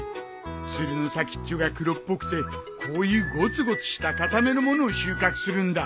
つるの先っちょが黒っぽくてこういうごつごつした硬めの物を収穫するんだ。